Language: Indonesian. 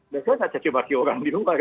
dan saya gak cekip cekip lagi orang di rumah